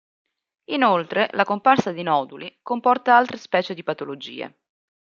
Inoltre la comparsa di noduli comporta altre specie di patologie.